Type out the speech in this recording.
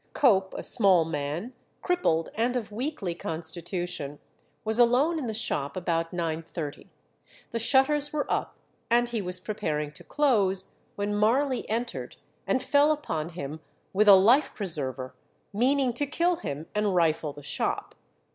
Cope, a small man, crippled, and of weakly constitution, was alone in the shop about 9.30; the shutters were up, and he was preparing to close, when Marley entered and fell upon him with a life preserver, meaning to kill him and rifle the shop.